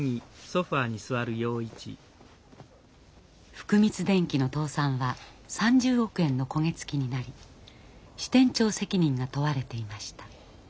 福満電気の倒産は３０億円の焦げ付きになり支店長責任が問われていました。